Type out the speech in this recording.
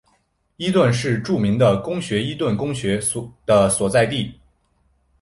伊顿是著名的公学伊顿公学的所在地。